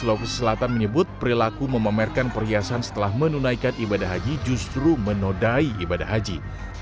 ulamak sulawesi selatan menyebut perilaku memamerkan perhiasan setelah menunaikan ibadah haji justru menodai ibadah haji